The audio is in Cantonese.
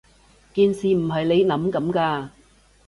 件事唔係你諗噉㗎